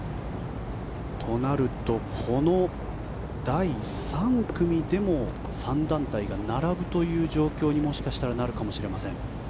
となると、この第３組でも３団体が並ぶという状況にもしかしたらなるかもしれません。